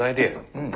うん。